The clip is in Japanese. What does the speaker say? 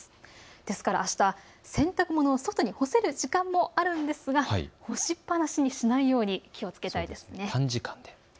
ですからあした、洗濯物を外に干せる時間もありますが干しっぱなしにしないように気をつけたいですね。